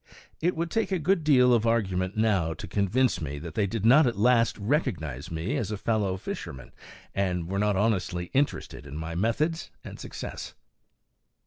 It would take a good deal of argument now to convince me that they did not at last recognize me as a fellow fisherman, and were not honestly interested in my methods and success.